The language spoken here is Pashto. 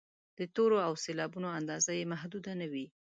د تورو او سېلابونو اندازه یې محدوده نه وي.